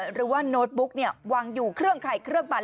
หรือว่าโน้ตบุ๊กเนี่ยวางอยู่เครื่องไข่เครื่องบัน